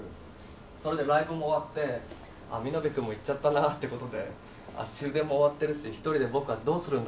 それでライブも終わってミノベ君も行っちゃったなという事で終電も終わってるし一人で僕はどうするんだ